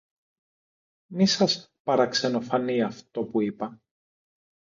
Μη σας παραξενοφανεί αυτό που είπα